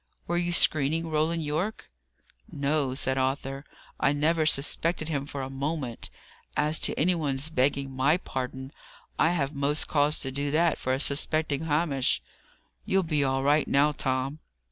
Were you screening Roland Yorke?" "No," said Arthur, "I never suspected him for a moment. As to any one's begging my pardon, I have most cause to do that, for suspecting Hamish. You'll be all right now, Tom."